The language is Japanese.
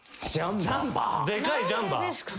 でかいジャンパー。